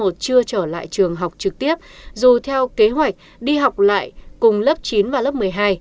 học sinh lớp một chưa trở lại trường học trực tiếp dù theo kế hoạch đi học lại cùng lớp chín và lớp một mươi hai